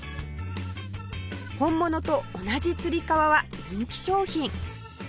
本物と同じつり革は人気商品